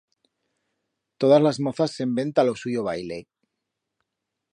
Todas las mozas se'n ven ta lo suyo baile.